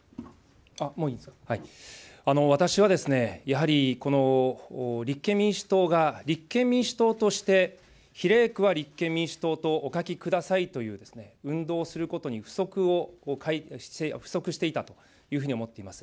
私はやはり、立憲民主党が立憲民主党として、比例区は立憲民主党とお書きくださいという運動をすることに不足を、不足していたというふうに思っています。